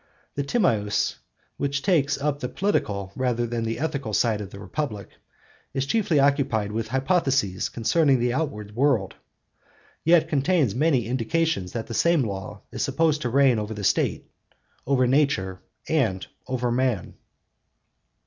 The Timaeus, which takes up the political rather than the ethical side of the Republic, and is chiefly occupied with hypotheses concerning the outward world, yet contains many indications that the same law is supposed to reign over the State, over nature, and over man.